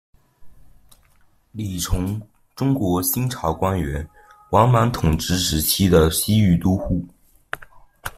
李崇，中国新朝官员，王莽统治时期的西域都护。